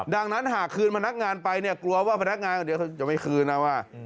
ดังนั้นหากคืนพนักงานไปเนี่ยกลัวว่าพนักงานเดี๋ยวจะไม่คืนนะว่า